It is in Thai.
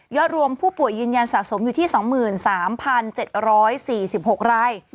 รวมผู้ป่วยยืนยันสะสมอยู่ที่๒๓๗๔๖ราย